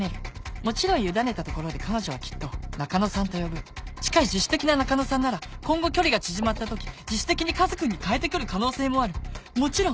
もちろん委ねたところで彼女はきっと「中野さん」と呼ぶしかし自主的な「中野さん」なら今後距離が縮まった時自主的に「カズ君」に変えて来る可能性もあるもちろん